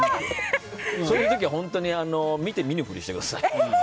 そういう時は見て見ぬふりしてください。